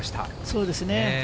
そうですね。